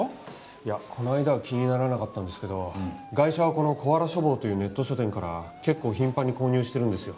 いやこの間は気にならなかったんですけどガイシャはこのコアラ書房というネット書店から結構頻繁に購入してるんですよ。